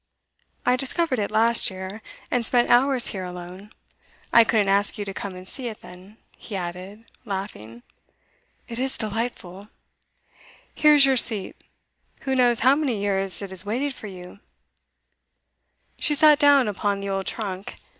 'I discovered it last year, and spent hours here alone. I couldn't ask you to come and see it then,' he added, laughing. 'It is delightful!' 'Here's your seat, who knows how many years it has waited for you?' She sat down upon the old trunk.